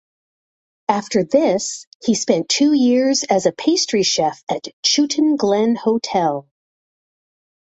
After this he spent two years as a Pastry Chef at Chewton Glen Hotel.